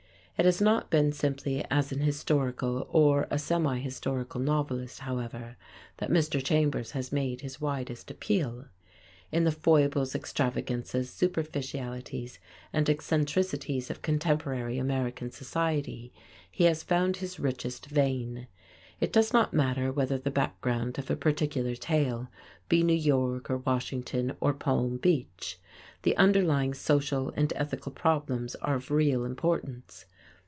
It has not been simply as an historical or a semi historical novelist, however, that Mr. Chambers has made his widest appeal. In the foibles, extravagances, superficialities and eccentricities of contemporary American society, he has found his richest vein. It does not matter whether the background of a particular tale be New York, or Washington, or Palm Beach. The underlying social and ethical problems are of real importance.